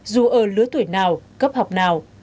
dù ở lứa tuổi nào cấp học nào